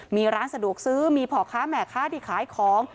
มีร้านสะดวกซื้อมีพ่อค้าแม่ค้าที่ขายของ